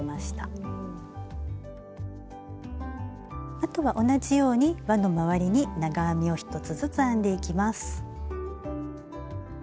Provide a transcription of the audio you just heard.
あとは同じようにわのまわりに長編みを１つずつ編んでいきます。